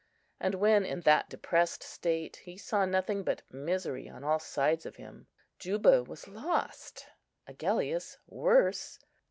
And when in that depressed state, he saw nothing but misery on all sides of him. Juba was lost; Agellius worse.